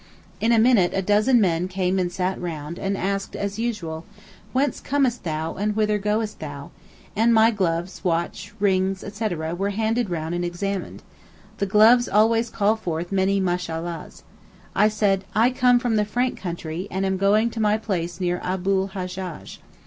In a minute a dozen men came and sat round, and asked as usual, 'Whence comest thou, and whither goest thou?' and my gloves, watch, rings, etc. were handed round and examined; the gloves always call forth many Mashallah's. I said, 'I come from the Frank country, and am going to my place near Abu'l Hajjaj.